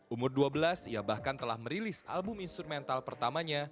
umur dua belas ia bahkan telah merilis album instrumental pertamanya